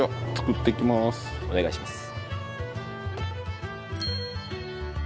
お願いします。